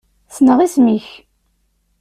Ssneɣ isem-ik.